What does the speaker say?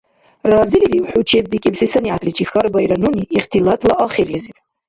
— Разилирив хӀу чеббикӀибси санигӀятличи? — хьарбаира нуни ихтилатла ахирлизиб.